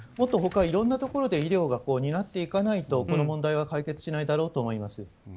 いろんなところで医療を担っていかないとこの問題は解決しないだろうと思います。